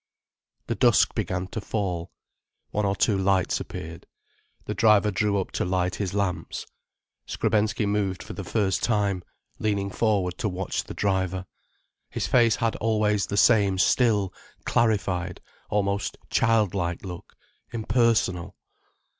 The dusk began to fall. One or two lights appeared. The driver drew up to light his lamps. Skrebensky moved for the first time, leaning forward to watch the driver. His face had always the same still, clarified, almost childlike look, impersonal.